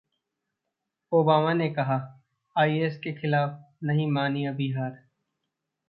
Obama ने कहा IS के खिलाफ नहीं मानी अभी हार